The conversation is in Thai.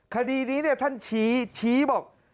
คดีนี้ท่านชี้ชี้บอก